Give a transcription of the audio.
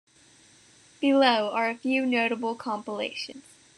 Below are a few notable compilations.